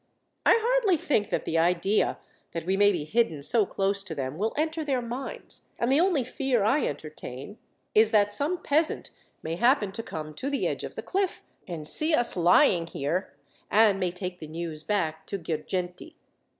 I hardly think that the idea, that we may be hidden so close to them, will enter their minds, and the only fear I entertain is that some peasant may happen to come to the edge of the cliff and see us lying here, and may take the news back to Girgenti."